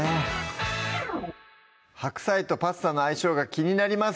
白菜とパスタの相性が気になります